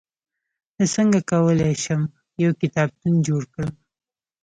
زه څنګه کولای سم، یو کتابتون جوړ کړم؟